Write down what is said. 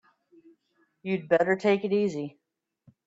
You'd better take it easy.